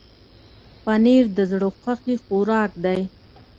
پنېر د زړه خوښي خوراک دی.